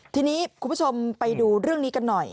ทีนี้คุณผู้ชมไปดูเรื่องนี้กันหน่อย